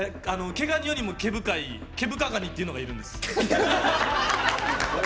毛ガニよりも毛深いケブカガニっていうのがいるんです。